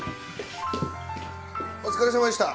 お疲れさまでした。